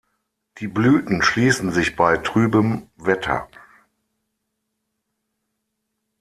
Die Blüten schließen sich bei trübem Wetter.